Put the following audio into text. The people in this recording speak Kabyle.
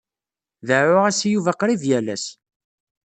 Deɛɛuɣ-as i Yuba qrib yal ass.